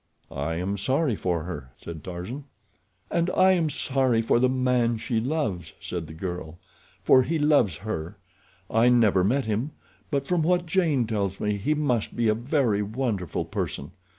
"I am sorry for her," said Tarzan. "And I am sorry for the man she loves," said the girl, "for he loves her. I never met him, but from what Jane tells me he must be a very wonderful person.